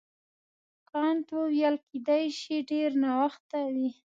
کانت وویل کیدای شي ډېر ناوخته وي.